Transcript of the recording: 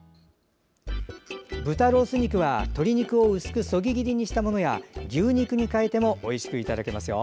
豚ロース肉は鶏肉を薄くそぎ切りにしたものや牛肉に代えてもおいしくいただけますよ。